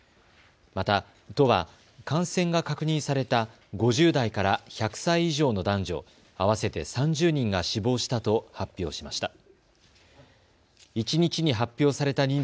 また都は感染が確認された５０代から１００歳以上の男女合わせて３０人が死亡したと発表しました。